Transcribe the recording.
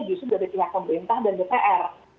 justru dari pihak pemerintah dan dpr